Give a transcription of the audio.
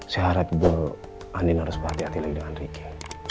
saya harap bu andin harus berhati hati lagi dengan ricky